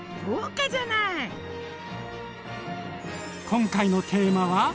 今回のテーマは。